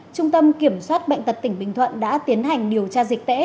trung tâm kiểm soát bệnh tật tỉnh bình thuận đã tiến hành điều tra dịch tễ